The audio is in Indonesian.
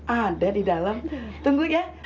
ada di dalam tunggu ya